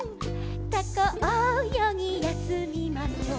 「タコおよぎやすみましょう」